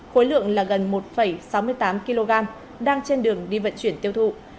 khối lượng là gần một sáu mươi tám kg đang trên đường đi vận chuyển tiêu thụ